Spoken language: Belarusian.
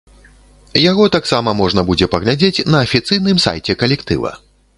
Яго таксама можна будзе паглядзець на афіцыйным сайце калектыва.